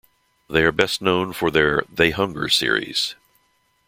They are best known for their "They Hunger" series.